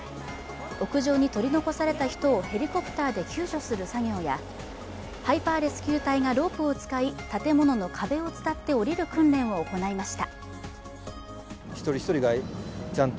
屋上に取り残された人をヘリコプターで救助する作業やハイパーレスキュー隊がロープを使い建物の壁を伝って降りる訓練を行いました。